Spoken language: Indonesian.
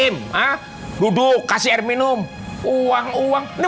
maka tepuk tangan pak